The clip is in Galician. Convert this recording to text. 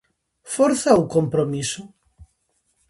Forza ou compromiso?